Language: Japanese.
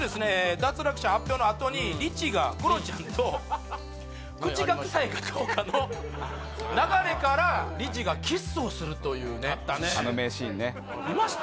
脱落者発表のあとにリチがクロちゃんと口が臭いかどうかの流れからリチがキスをするというねあの名シーンね見ました？